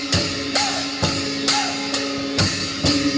สวัสดีสวัสดี